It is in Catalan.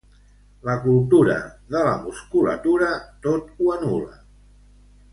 La cultura de la musculatura tot ho anul·la.